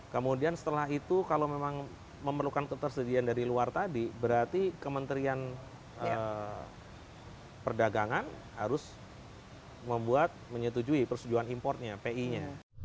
kemudian setelah itu kalau memang memerlukan ketersediaan dari luar tadi berarti kementerian perdagangan harus membuat menyetujui persetujuan importnya pi nya